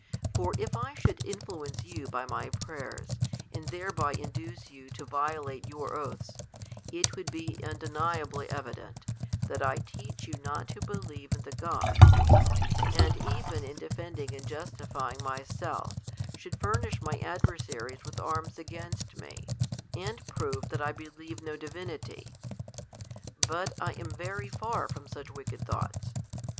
For, if! should influence you by my prayers, and thereby induce you to violate your oaths, it would be unde niably evident, that I teach you not to believe in the gods ; and even in defending and justifying myself, should furnish my adversaries with arms against m6, and prove that I believe no divinity. But 1 am very far from such wicked thoughts.